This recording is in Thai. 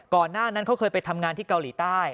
หน้านั้นเขาเคยไปทำงานที่เกาหลีใต้